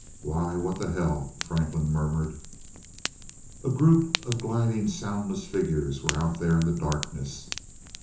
"Why what the hell," Franklin muttered. A group of gliding soundless figures were out there in the darkness.